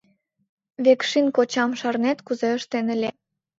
Векшин кочам шарнет, кузе ыштен ыле.